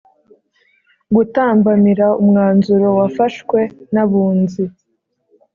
Gutambamira umwanzuro wafashwe na abunzi